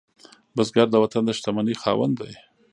بزګر د وطن د شتمنۍ خاوند دی